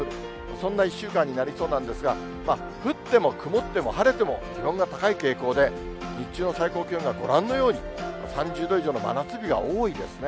そんな１週間になりそうなんですが、降っても曇っても晴れても、気温は高い傾向で、日中の最高気温がご覧のように、３０度以上の真夏日が多いですね。